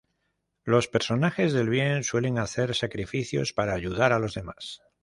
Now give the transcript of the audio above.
Los personajes del Bien suelen hacer sacrificios para ayudar a los demás.